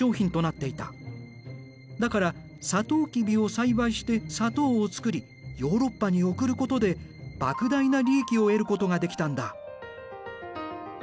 だからさとうきびを栽培して砂糖をつくりヨーロッパに送ることでばく大な利益を得ることができたんだ。